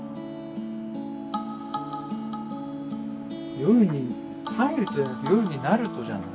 「夜に入ると」じゃなくて「夜になると」じゃない？